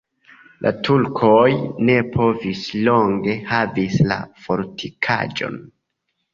La turkoj ne povis longe havi la fortikaĵon.